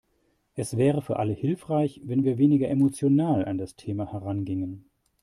Es wäre für alle hilfreich, wenn wir weniger emotional an das Thema herangingen.